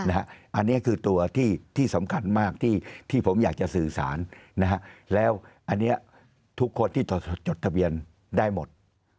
อันนี้คือตัวที่สำคัญมากที่ผมอยากจะสื่อสารแล้วอันนี้ทุกคนที่จดทะเบียนได้หมด